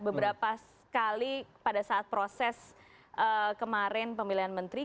beberapa kali pada saat proses kemarin pemilihan menteri